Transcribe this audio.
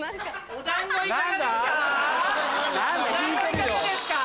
お団子いかがですか？